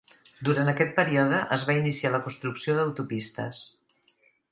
Durant aquest període, es va iniciar la construcció d'autopistes.